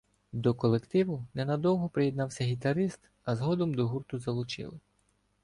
До колективу ненадовго приєднався гітарист, а згодом до гурту залучили.